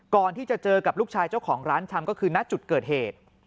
ก่อนที่จะเจอกับลูกชายเจ้าของร้านชำก็คือณจุดเกิดเหตุ